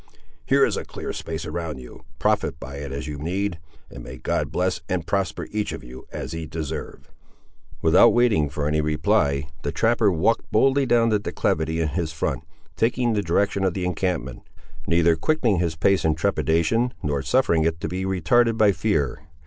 Here is a clear space around you. Profit by it as you need, and may God bless and prosper each of you, as ye deserve!" Without waiting for any reply, the trapper walked boldly down the declivity in his front, taking the direction of the encampment, neither quickening his pace in trepidation, nor suffering it to be retarded by fear.